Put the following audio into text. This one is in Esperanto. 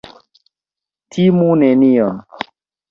Timu nenion.